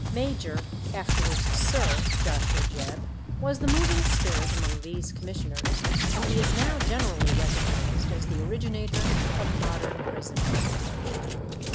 Major, afterwards Sir Joshua Jebb, was the moving spirit among these commissioners, and he is now generally recognized as the originator of modern prison architecture.